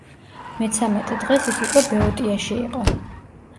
მეცამეტე დღეს ის უკვე ბეოტიაში იყო.